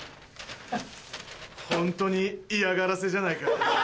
ホントに嫌がらせじゃないか。